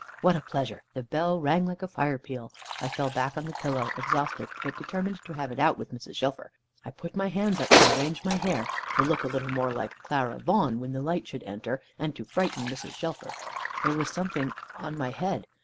What a pleasure! The bell rang like a fire peal. I fell back on the pillow, exhausted, but determined to have it out with Mrs. Shelfer. I put my hands up to arrange my hair, to look a little more like Clara Vaughan, when the light should enter, and to frighten Mrs. Shelfer. There was something on my head.